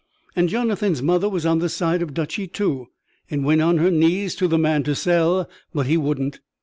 And Jonathan's mother was on the side of Duchy, too, and went on her knees to the man to sell; but he wouldn't.